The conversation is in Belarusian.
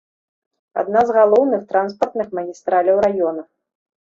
Адна з галоўных транспартных магістраляў раёна.